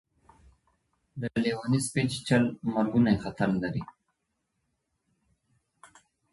د لېوني سپي چیچل مرګونی خطر لري.